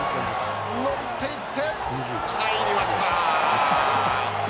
伸びていって入りました。